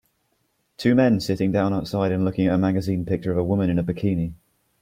Two men sitting down outside and looking at a magazine picture of a woman in a bikini.